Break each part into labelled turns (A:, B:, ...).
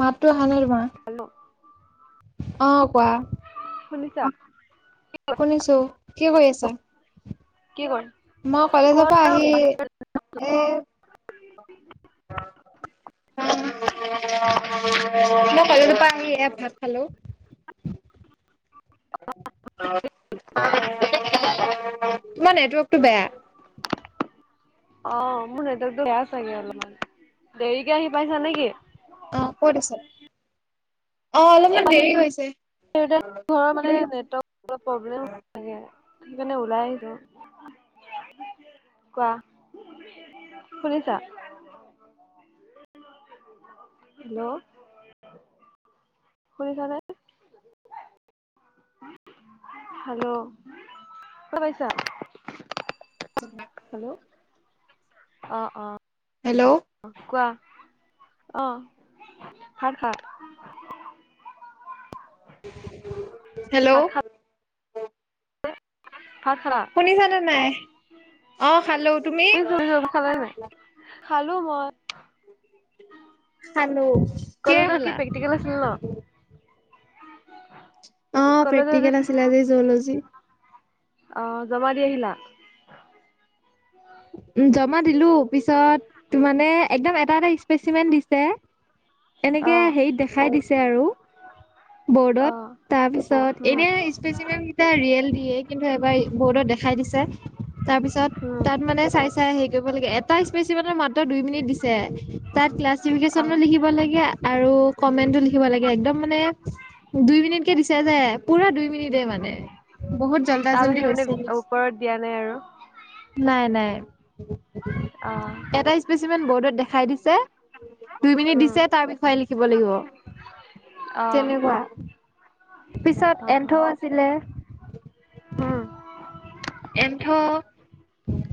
A: মাতটো অহা নাই তোমাৰ।
B: হেল্ল'
A: অ কোৱা।
B: শুনিছা?
A: শুনিছো। কি কৰি আছা?
B: কি কৰ
A: মই কলেজৰ পৰা আহি এই
B: [unintelligible]
A: মই কলেজৰ পৰা আহি এয়া ভাত খালো।
B: [unintelligible]
A: তোমাৰ নেটৱৰ্কটো বেয়া।
B: অ মোৰ নেটৱৰ্কটো বেয়া চাগে অলপমান। দেৰিকে আহি পাইছা নেকি?
A: অ ক'ত আছে? অ অলপমান দেৰি হৈছে।
B: এই যে ঘৰৰ মানে নেটৱৰ্কটো অলপ প্ৰব্লেম থাকে। সেইকাৰণে ওলাই আহিছো। কোৱা শুনিছা? হেল্ল' শুনিছানে? হেল্ল' শুনা পাইছা?
A: নাই।
B: হেল্ল' অ অ।
A: হেল্ল'
B: কোৱা অ খড খড।
A: পু উ উ, পু ও ও,
B: ভাত খা
A: হেল্ল'
B: ভাত খালা?
A: শুনিছানে নাই অ খালো তুমি?
B: অ হয় হয় ইহ্ খালো মই চু আহ। টাং টিং টি টু,
A: খালো
B: কালি
A: কিহে
B: তোৰ
A: খালা
B: কি প্ৰেক্টিকেল আছিল ন? [unintelligible]
A: চু অ অ,
B: কলেজত
A: প্ৰেক্টিকেল আছিলে আজি জু'লজি।
B: অ অ, জমা দি আহিলা।
A: উম, জমা দিলো পিছত মানে একদম এটা এটা স্পেচিমেণ্ট দিছে। এনেকে
B: অ
A: হেৰিত দেখাই দিছে আৰু
B: অ
A: বৰ্ডত তাৰপিছত
B: উম
A: এনে স্পেচিমেন্ট এয়া ৰিয়েল দিয়ে কিন্তু এইবাৰ বৰ্ডত দেখাই দিছে তাৰপিছত
B: উম
A: তাত মানে চাই চাই হেৰি কৰিব লাগে এটা ইচপিচত মাত্ৰ দুই মিনিট দিছে সেই সেই তাৰ ক্লাছ চিপ গেছ
B: অ
A: ন লিখিব লাগে আ আৰু কমেণ্টটো লিখিব লাগে একদম মানে দুই মিনিট কে দিছে যে পুৰা দুই মিনিটে মানে বহুত জল্দা
B: তাৰ
A: জল্দি
B: বাহিৰে মানে
A: হৈছে
B: ওপৰত দিয়া নাই আৰু
A: নাই নাই। উ উ, উ উ হু।
B: অঁ অ অহ।
A: এটা স্পেচিমেণ বৰ্ডত দেখাই দিছে দুই মিনিট
B: উম
A: দিছে তাৰ বিষয়ে লিখিব লাগিব।
B: অ
A: তেনেকুৱা পিছত
B: অ অ
A: এন্থো আছিলে।
B: হম
A: এন্থো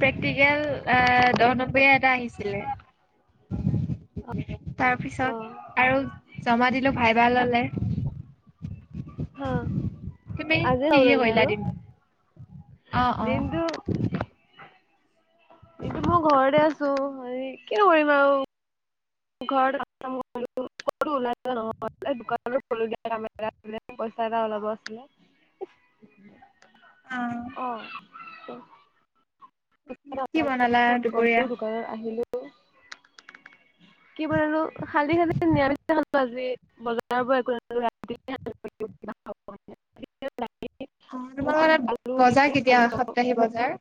A: প্ৰেক্টিকেল আহ আহ দহ নম্বৰিয়া এটা আহিছিলে হু হু হু। উম হু, তাৰ পিছত
B: অ
A: আৰু জমা দিলো ভাইভা ললে।
B: হ অ।
A: তুমি কিহে কৰিলা এদিন?
B: দিনটো কিন্তু মই ঘৰতে আছোঁ হয় ই ই কি কৰিবা আৰু ঘৰত আঠটা মান শুলো। কতো ওলোৱা থকা নহয় এই দোকানখনৰ দোকানিয়া পইচা এটা ওলাব আছিলে। [unintelligible]
A: অ।
B: অঁ ধেত ধেত। [unintelligible]
A: কি বনালা দুপৰীয়া
B: দোকানত আহিলো। কি বলো খালি-খালি নিৰমিচে খালো আজি বজাৰৰ পৰা একো ৰা [unintelligible]
A: অ তোমালোকৰ তাত
B: আলু
A: বজাৰ
B: এনেকৈ
A: কেতিয়া
B: খালো
A: সপ্তাহি বজাৰ?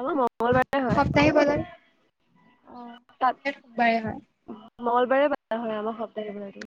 B: আমাৰ মঙলবাৰ।
A: সপ্তাহি বজাৰ, অ
B: তাত
A: এট বাৰে হয়।
B: মঙলবাৰে পাতা হয় আমাৰ সপ্তাহিক বজাৰটো।